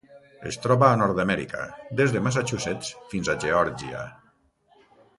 Es troba a Nord-amèrica: des de Massachusetts fins a Geòrgia.